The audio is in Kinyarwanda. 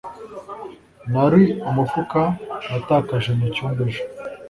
Nari umufuka natakaje mucyumba ejo